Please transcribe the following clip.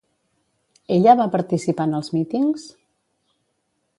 Ella va participar en els mítings?